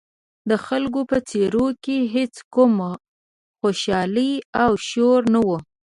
د خلکو په څېرو کې هېڅ کوم خوشحالي او شور نه و.